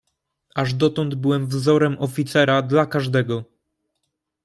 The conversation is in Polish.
"Aż dotąd byłem wzorem oficera dla każdego."